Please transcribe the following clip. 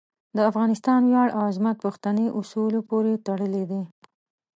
د افغانستان ویاړ او عظمت پښتني اصولو پورې تړلی دی.